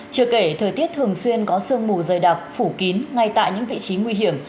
chưa kể thời tiết thường xuyên có sương mù dày đặc phủ kín ngay tại những vị trí nguy hiểm